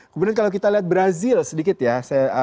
kemudian kalau kita lihat brazil sedikit ya